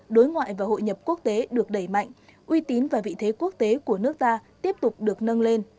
đối ngoại và hội nhập quốc tế được đẩy mạnh uy tín và vị thế quốc tế của nước ta tiếp tục được nâng lên